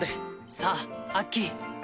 さぁアッキー。